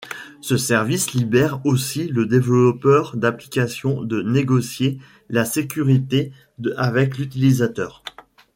Ce service, libère aussi le développeur d'application de négocier la sécurité avec l'utilisateur.